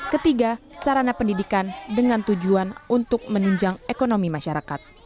ketiga sarana pendidikan dengan tujuan untuk menunjang ekonomi masyarakat